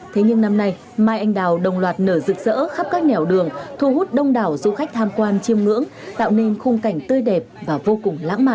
thế nhưng năm nay mai anh đào đồng loạt nở rực rỡ khắp các nẻo đường thu hút đông đảo du khách tham quan chiêm ngưỡng tạo nên khung cảnh tươi đẹp và vô cùng lãng mạn